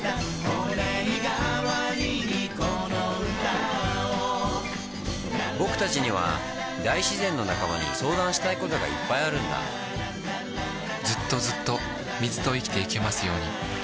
御礼がわりにこの歌をぼくたちには大自然の仲間に相談したいことがいっぱいあるんだずっとずっと水と生きてゆけますようにサントリー